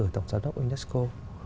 của tổng giám đốc unesco